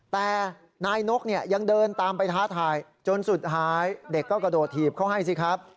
แต่นายนกเนี่ยยังเดินตามไปท้าทายจนสุดท้ายเด็กก็กระโดดถีบเขาให้สิครับ